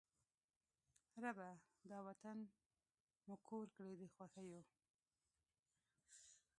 ربه! دا وطن مو کور کړې د خوښیو